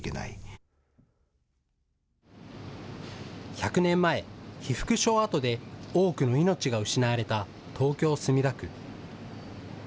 １００年前、被服廠跡で多くの命が失われた東京・墨田区。